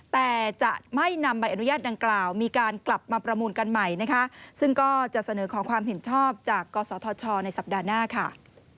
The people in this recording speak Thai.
แต่จะไม่นำใบอนุญาตดังกล่าวมีการกลับมาประมูลกันใหม่นะคะซึ่งก็จะเสนอขอความเห็นชอบจากกศธชในสัปดาห์หน้าค่ะ